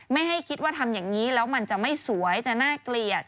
ไม่ให้คิดว่าทำอย่างนี้แล้วมันจะไม่สวยจะน่าเกลียด